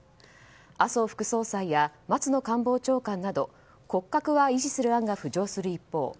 麻生副総裁や松野官房長官など骨格は維持する案が浮上する一方